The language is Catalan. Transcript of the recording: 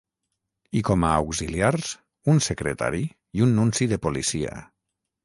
I com a auxiliars, un secretari i un nunci de policia.